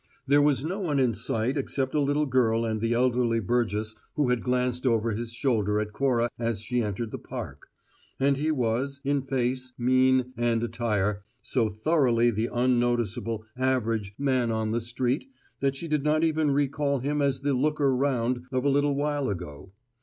There was no one in sight except a little girl and the elderly burgess who had glanced over his shoulder at Cora as she entered the park; and he was, in face, mien, and attire, so thoroughly the unnoticeable, average man on the street that she did not even recall him as the looker round of a little while ago.